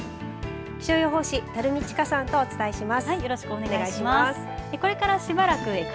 気象予報士、垂水千佳さんとお伝えします。